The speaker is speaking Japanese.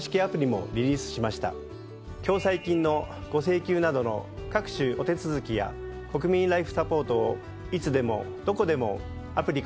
共済金のご請求などの各種お手続きや「こくみんＬｉｆｅサポート」をいつでもどこでもアプリから利用できます。